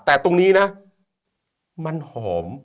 แต่ตรงนี้นะมันหอม